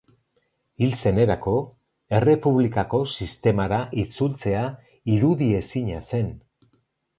Hil zenerako, Errepublikako sistemara itzultzea irudiezina zen.